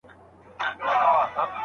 دوی ته بايد د کار زمينه برابره سي.